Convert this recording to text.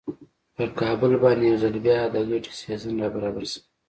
پر کابل باندې یو ځل بیا د ګټې سیزن را برابر شوی.